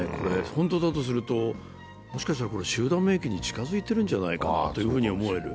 本当だとすると、もしかしたら集団免疫に近づいているんじゃないかと思える。